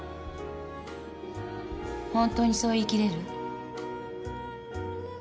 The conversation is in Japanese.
本当にそう言い切れる？